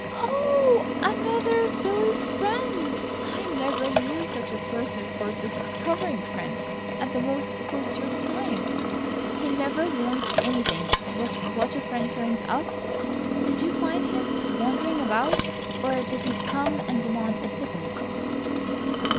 "Oh, another of Billy's friends. I never knew such a person for discovering friends at the most opportune times. He never wants anything but what a friend turns up. Did you find him wandering about, or did he come and demand admittance?"